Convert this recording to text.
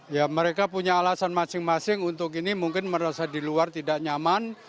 ya mereka punya alasan masing masing untuk ini mungkin merasa di luar tidak nyaman